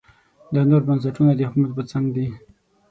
دا نور بنسټونه د حکومت په څنګ دي.